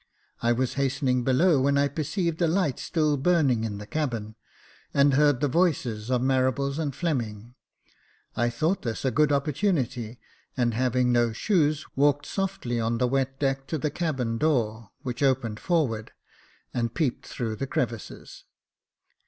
I was hastening below, when I perceived a light still burning in the cabin, and heard the voices of Marables and Fleming. I thought this a good opportunity, and, having no shoes, walked softly on the wet deck to the cabin door, which opened forward, and peeped through the crevices.